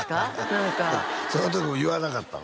何かその時言わなかったん？